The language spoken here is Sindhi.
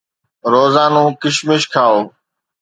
روزانو ڪشمش کائو